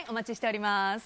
お待ちしております。